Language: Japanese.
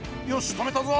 とめたぞ！